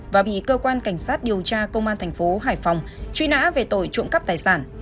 và bị cơ quan cảnh sát điều tra công an thành phố hải phòng truy nã về tội trộm cắp tài sản